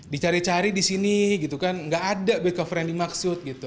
dicari cari di sini gitu kan nggak ada back cover yang dimaksud gitu